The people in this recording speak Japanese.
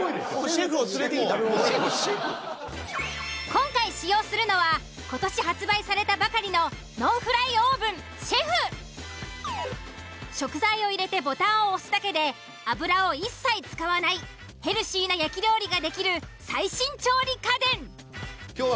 今回使用するのは今年発売されたばかりの食材を入れてボタンを押すだけで油を一切使わないヘルシーな焼き料理ができる最新調理家電。